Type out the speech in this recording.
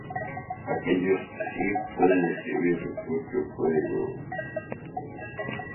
Aquellos que si, pueden escribir su propio código Emacs Lisp.